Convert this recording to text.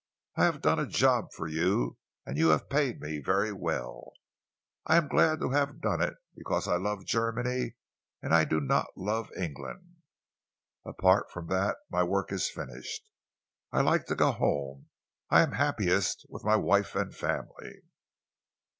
"I have done a job for you, and you have paid me very well. I am glad to have done it, because I love Germany and I do not love England. Apart from that my work is finished. I like to go home. I am happiest with my wife and family."